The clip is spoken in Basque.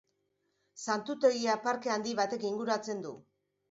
Santutegia parke handi batek inguratzen du.